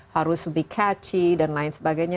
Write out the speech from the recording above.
harus lebih catchy dan lain sebagainya